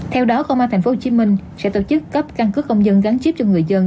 theo đó công an tp hcm sẽ tổ chức cấp căn cứ công dân gắn chip cho người dân